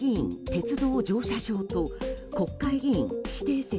鉄道乗車証と国会議員指定席